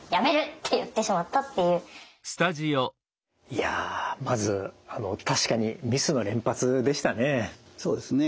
いやまず確かにミスの連発でしたね。